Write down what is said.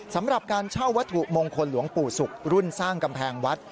สำหรับการเช่าวัตถุมงคลหลวงปู่ศุกร์รุ่นสร้างกำแพงวัด